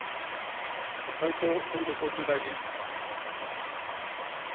斉藤国土交通大臣。